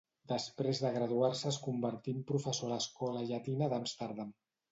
Després de graduar-se es convertí en professor a l'Escola llatina d'Amsterdam.